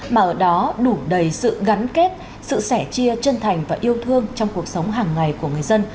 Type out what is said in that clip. mà ở đó đủ đầy sự gắn kết sự sẻ chia chân thành và yêu thương trong cuộc sống hàng ngày của người dân